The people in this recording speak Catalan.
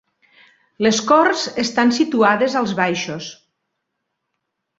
Les corts estan situades als baixos.